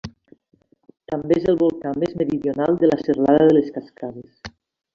També és el volcà més meridional de la Serralada de les Cascades.